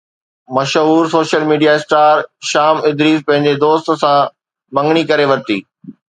مشهور social media star Sham Idrees پنهنجي دوست سان مڱڻي ڪري ورتي